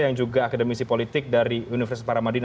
yang juga akademisi politik dari universitas paramadina